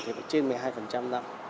thì phải trên một mươi hai năm